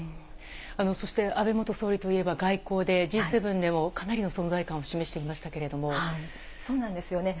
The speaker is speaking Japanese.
そして、安倍元総理といえば外交で、Ｇ７でもかなりの存在感を示してそうなんですよね。